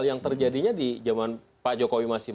yang terjadinya di zaman pak jokowi masih